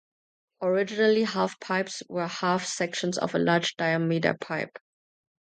Originally half-pipes were half sections of a large diameter pipe.